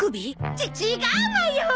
ち違うわよ！